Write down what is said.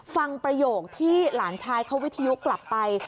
ประโยคที่หลานชายเขาวิทยุกลับไป